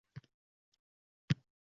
Bir kuni yon qoʻshnimiz chiqib qoldi